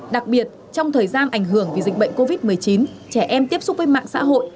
đặc biệt trong thời gian ảnh hưởng vì dịch bệnh covid một mươi chín trẻ em tiếp xúc với mạng xã hội